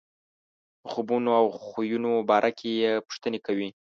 د خوبونو او خویونو باره کې یې پوښتنې کوي.